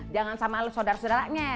jangan sama sodar sodaranya